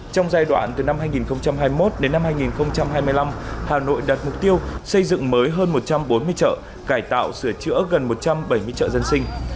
trong giai đoạn từ năm hai nghìn hai mươi một đến năm hai nghìn hai mươi năm hà nội đặt mục tiêu xây dựng mới hơn một trăm bốn mươi chợ cải tạo sửa chữa gần một trăm bảy mươi chợ dân sinh